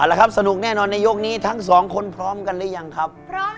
แล้วครับสนุกแน่นอนในยกนี้ทั้งสองคนพร้อมกันหรือยังครับพร้อม